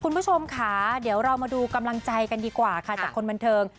คุณผู้ชมค่ะเดี๋ยวเรามาดูกำลังใจกันดีกว่าค่ะจากคนบันเทิง